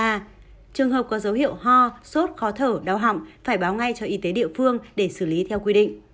trường hợp có dấu hiệu ho sốt khó thở đau họng phải báo ngay cho y tế địa phương để xử lý theo quy định